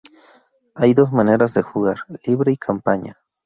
Hay dos maneras de jugar: libre y campaña.